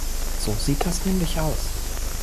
So sieht das nämlich aus.